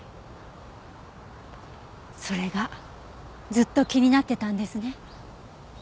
それがずっと気になってたんですね？